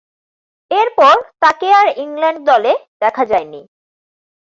এরপর তাকে আর ইংল্যান্ড দলে দেখা যায়নি।